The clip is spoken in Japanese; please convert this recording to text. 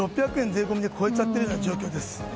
税込みで超えちゃってる状況です。